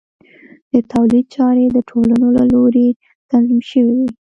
د تولید چارې د ټولنو له لوري تنظیم شوې وې.